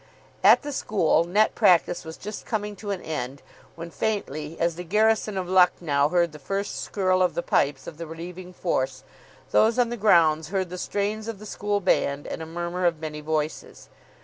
At the school, net practice was just coming to an end when, faintly, as the garrison of Lucknow heard the first skirl of the pipes of the relieving force, those on the grounds heard the strains of the school band and a murmur of many voices.